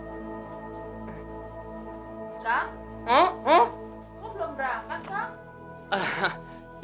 kamu belum berangkat kang